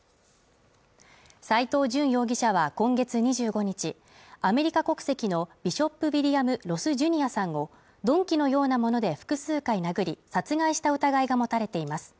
斉藤淳容疑者は今月２５日アメリカ国籍のビショップ・ウィリアム・ロス・ジュニアさんを鈍器のようなもので複数回殴り、殺害した疑いが持たれています。